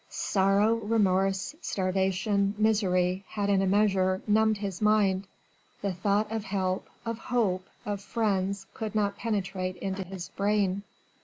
Sorrow, remorse, starvation, misery had in a measure numbed his mind. The thought of help, of hope, of friends could not penetrate into his brain.